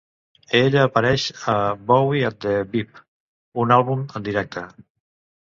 Ella apareix a "Bowie at the Beeb", un àlbum en directe.